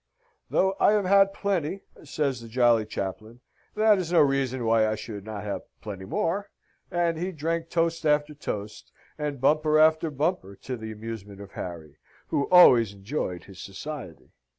"Though I have had plenty," says the jolly chaplain, "that is no reason why I should not have plenty more," and he drank toast after toast, and bumper after bumper, to the amusement of Harry, who always enjoyed his society.